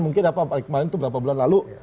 mungkin kemarin itu beberapa bulan lalu